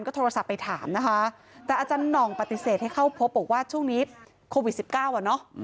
โทรศัพท์ไปถามนะคะแต่อาจารย์หน่องปฏิเสธให้เข้าพบบอกว่าช่วงนี้โควิด๑๙อ่ะเนอะ